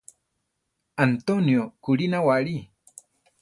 Antonio kurí nawáli.